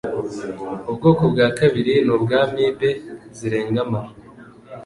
Ubwoko bwa kabiri ni ubwa Amibe zirenga amara